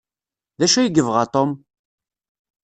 D acu ay yebɣa Tom?